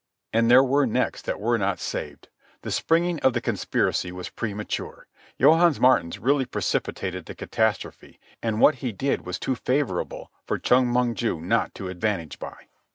And there were necks that were not saved. The springing of the conspiracy was premature. Johannes Maartens really precipitated the catastrophe, and what he did was too favourable for Chong Mong ju not to advantage by.